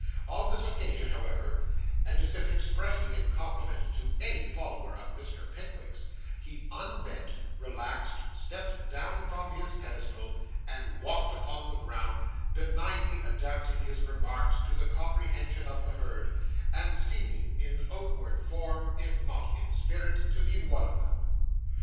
On this occasion, however, and as if expressly in compliment to any follower of Mr. Pickwick's, he unbent, relaxed, stepped down from his pedestal, and walked upon the ground, benignly adapting his remarks to the comprehension of the herd, and seeming in outward form, if not in spirit, to be one of them.